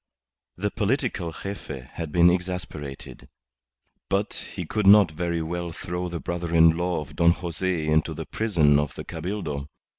The political Gefe had been exasperated. But he could not very well throw the brother in law of Don Jose into the prison of the Cabildo.